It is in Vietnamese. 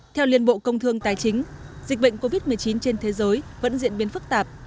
theo liên bộ công thương tài chính dịch bệnh covid một mươi chín trên thế giới vẫn diễn biến phức tạp